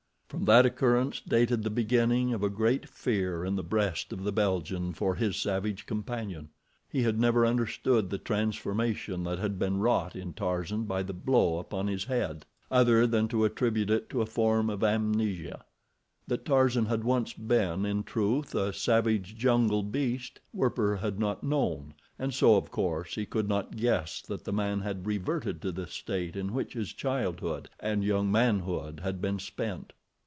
From that occurrence dated the beginning of a great fear in the breast of the Belgian for his savage companion. He had never understood the transformation that had been wrought in Tarzan by the blow upon his head, other than to attribute it to a form of amnesia. That Tarzan had once been, in truth, a savage, jungle beast, Werper had not known, and so, of course, he could not guess that the man had reverted to the state in which his childhood and young manhood had been spent.